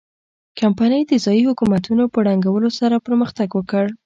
کمپنۍ د ځايي حکومتونو په ړنګولو سره پرمختګ وکړ.